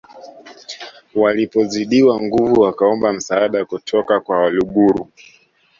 Walipozidiwa nguvu wakaomba msaada kutoka kwa Waluguru